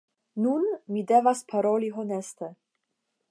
Nun, mi devas paroli honeste: